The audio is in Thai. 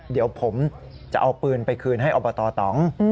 เดี๋ยวผมจะเอาปืนไปคืนให้อบตตอง